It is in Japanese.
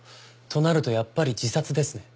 となるとやっぱり自殺ですね？